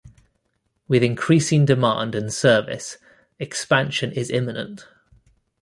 With increasing demand and service, expansion is imminent.